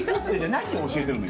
何を教えてるの？